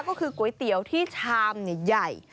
ก็คือก๋วยเตี๋ยวที่ชามใหญ่